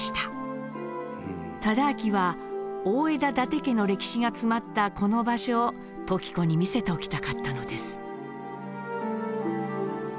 忠亮は大條伊達家の歴史が詰まったこの場所を時子に見せておきたかったのです。